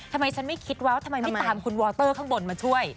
ทำไมฉันไม่คิดว่าทำไมไม่ตามคุณวอเตอร์ข้างบนมาช่วย